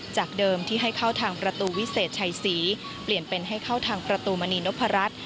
จากเดิมที่ให้เข้าทางประตูวิเศษชัยศรีเปลี่ยนเป็นให้เข้าทางประตูมณีนพรัช